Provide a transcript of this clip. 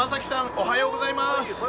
おはようございます。